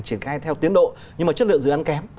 triển khai theo tiến độ nhưng mà chất lượng dự án kém